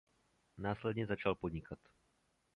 Následně začal podnikat.